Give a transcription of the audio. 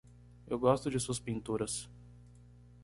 Eu gosto de suas pinturas.